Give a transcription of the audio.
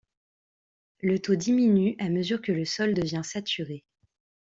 Le taux diminue à mesure que le sol devient saturé.